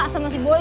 sama si boy